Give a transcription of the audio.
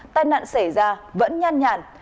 tai nạn xảy ra vẫn nhàn nhàn